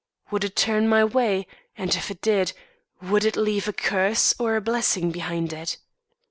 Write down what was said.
Would it turn my way, and, if it did, would it leave a curse or a blessing behind it?